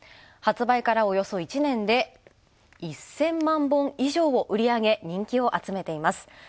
発売からおよそ１年で１０００万本以上を売り上げ人気を集めています。